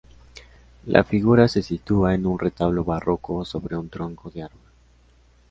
La figura se sitúa en un retablo barroco sobre un tronco de árbol.